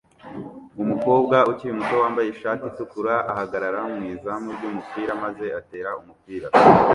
Umukobwa ukiri muto wambaye ishati itukura ahagarara mu izamu ry'umupira maze atera umupira